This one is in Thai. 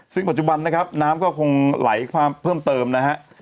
ซึ่งปัจจุบันนะครับน้ำก็คงไหลความเพิ่มเติมนะฮะ